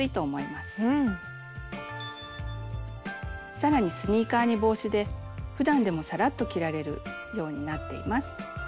さらにスニーカーに帽子でふだんでもさらっと着られるようになっています。